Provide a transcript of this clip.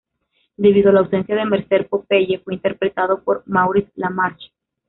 Debido a la ausencia de Mercer, Popeye fue interpretado por Maurice LaMarche.